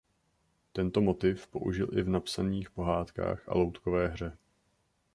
Tento motiv použil i v napsaných pohádkách a loutkové hře.